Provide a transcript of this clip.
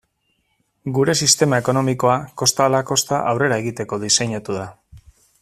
Gure sistema ekonomikoa kosta ala kosta aurrera egiteko diseinatu da.